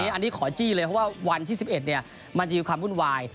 อันนี้ขอจี้เลยเพราะว่าวันที่๑๑มันจะมีความวุ่นวาย